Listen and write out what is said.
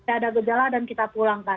tidak ada gejala dan kita pulangkan